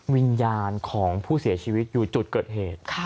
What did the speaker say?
วิญญาณของผู้เสียชีวิตอยู่จุดเกิดเหตุ